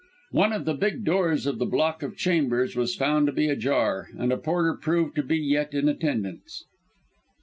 One of the big doors of the block of chambers was found to be ajar, and a porter proved to be yet in attendance.